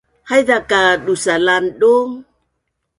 haiza ka dusa langdung